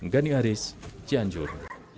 gani aris cianjur